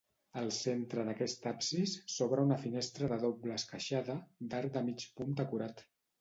Al centre d'aquest absis s'obre una finestra de doble esqueixada, d'arc de mig punt decorat.